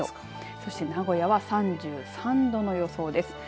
そして名古屋は３３度の予想です。